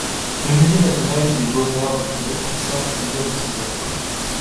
Le Musée national des beaux-arts du Québec conserve plusieurs de ses œuvres.